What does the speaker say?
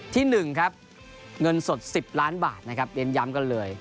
ที่๑ครับเงินสด๑๐ล้านบาทนะครับเน้นย้ำกันเลย